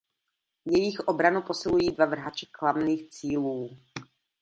Jejich obranu posilují dva vrhače klamných cílů.